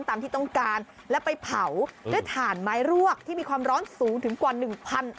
ตามที่ต้องการและไปเผาด้วยถ่านไม้รวกที่มีความร้อนสูงถึงกว่าหนึ่งพัน